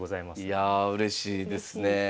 いやあうれしいですねえ。